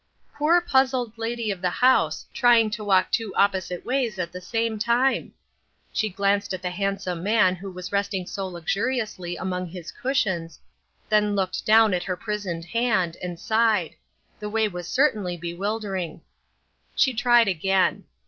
Poor puzzled lady of the house, trying to walk two opposite ways at the same time ! She glanced at the handsome man who was resting so luxuri ously among his cushions, then looked down at her prisoned hand, and sighed ; the way was cer tainly bewildering. She tried again.